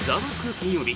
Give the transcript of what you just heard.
金曜日」